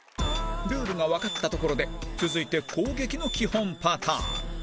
ルールがわかったところで続いて、攻撃の基本パターン